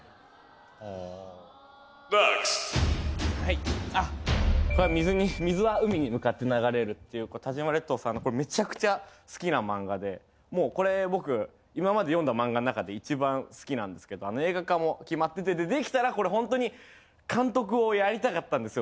・ほぉ・はいあっこれは『水は海に向かって流れる』っていう田島列島さんのこれめちゃくちゃ好きな漫画でもうこれ僕今まで読んだ漫画の中で一番好きなんですけど映画化も決まっててできたらこれほんとに監督をやりたかったんですよ